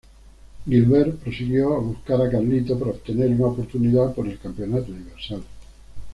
Gilbert prosiguió a buscar a Carlito para obtener una oportunidad por el Campeonato Universal.